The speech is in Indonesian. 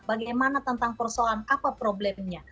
bagaimana tentang persoalan apa problemnya